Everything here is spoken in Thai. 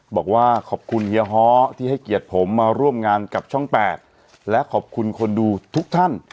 บอกว่าขอบคุณเฮียฮ้อที่ให้เกียรติผมมาร่วมงานกับช่อง๘และขอบคุณคนดูทุกท่าน